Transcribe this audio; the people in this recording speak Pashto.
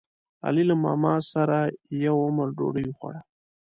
علي له ماماسره یو عمر ډوډۍ وخوړه.